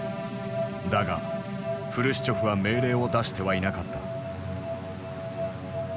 だがフルシチョフは命令を出してはいなかった。